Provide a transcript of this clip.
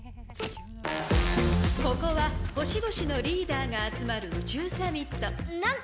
ここは星々のリーダーが集まる宇宙サミット。